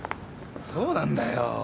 そうなんだよ。